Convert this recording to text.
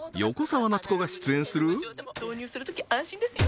導入するとき安心ですよ